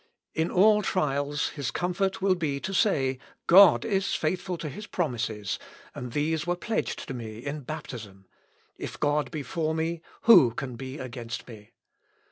In all trials his comfort will be to say, 'God is faithful to his promises, and these were pledged to me in baptism; if God be for me, who can be against me?'